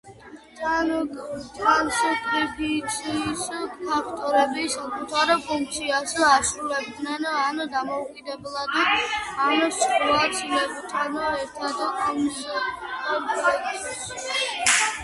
ტრანსკრიფციის ფაქტორები საკუთარ ფუნქციას ასრულებენ ან დამოუკიდებლად, ან სხვა ცილებთან ერთად კომპლექსში.